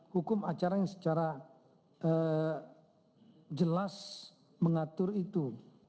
hukum acara yang secara jelas mengatur itu